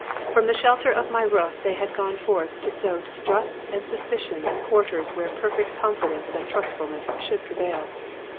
From the shelter of my roof they had gone forth to sow distrust and suspicion in quarters where perfect confidence and trustfulness should prevail.